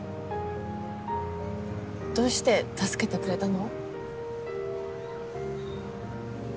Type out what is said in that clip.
どうして助けてくれたの？